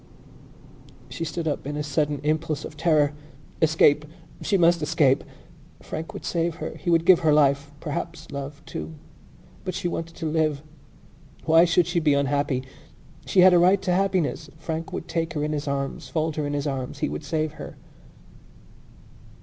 She stood up in a sudden impulse of terror. Escape! She must escape! Frank would save her. He would give her life, perhaps love, too. But she wanted to live. Why should she be unhappy? She had a right to happiness. Frank would take her in his arms, fold her in his arms. He would save her.